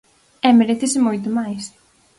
E merécese moito máis.